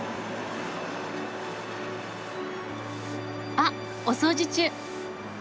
あっお掃除中。